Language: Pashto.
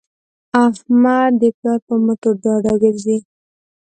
احمد د پلار په مټو ډاډه ګرځي.